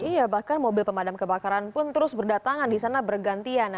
iya bahkan mobil pemadam kebakaran pun terus berdatangan di sana bergantian